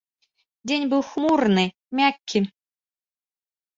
Дзень быў хмурны, мяккі.